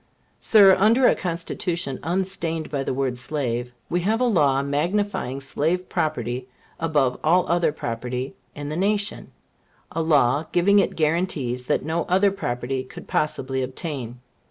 Sir, under a Constitution unstained by the word slave, we have a law magnifying slave property above all other property in the nation a law giving it guarantees that no other property could possibly obtain.